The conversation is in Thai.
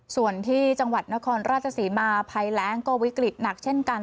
ส่วนที่จังหวัดนครราชศรีมาภัยแรงก็วิกฤตหนักเช่นกัน